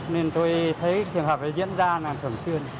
nên tôi thấy trường hợp này diễn ra là thường xuyên